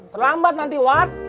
terlambat nanti tuat